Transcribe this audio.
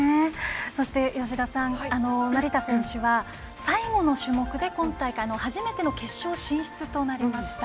そして、吉田さん成田選手は最後の種目で、今大会初めての決勝進出となりました。